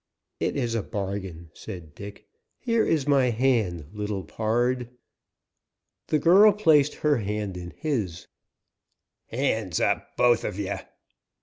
"It is a bargain," said Dick. "Here is my hand, little pard." The girl placed her hand in his. "Hands up! both of ye!"